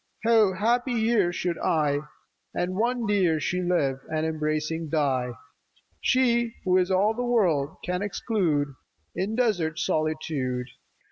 How happy here should I And one dear She live, and embracing die ! She who is all the world, and can exclude In deserts solitude.